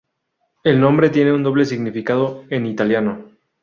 El nombre tiene un doble significado en italiano.